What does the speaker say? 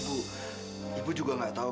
oh teman kamu